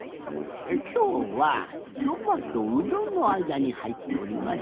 きょうはそばとうどんのあいだにはいっております。